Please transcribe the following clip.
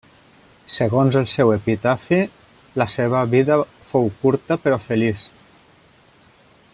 Segons el seu epitafi la seva vida fou curta, però feliç.